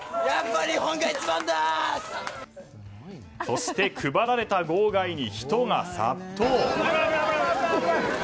そして配られた号外に人が殺到。